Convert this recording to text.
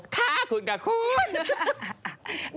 ค่ะคุณกับคุณ